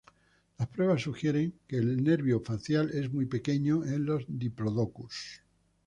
Las pruebas sugieren que el nervio facial es muy pequeño en los "Diplodocus".